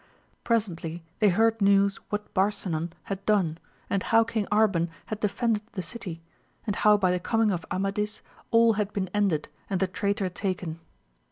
Presently they heard news what Barainan had done, knd how King Arban had defended the city^ and how by the coming of Amadis all had been ended and the traitor taken.